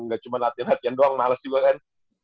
nggak cuma latihan latihan doang males juga kan